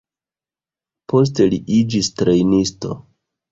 Poste li iĝis trejnisto.